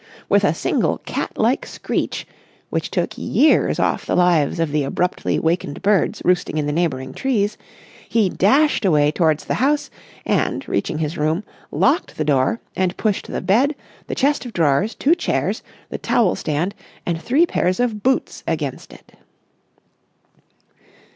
With a single cat like screech which took years off the lives of the abruptly wakened birds roosting in the neighbouring trees, he dashed away towards the house and, reaching his room, locked the door and pushed the bed, the chest of drawers, two chairs, the towel stand, and three pairs of boots against it.